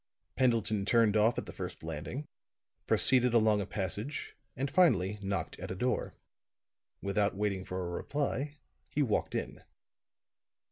Pendleton turned off at the first landing, proceeded along a passage and finally knocked at a door. Without waiting for a reply, he walked in.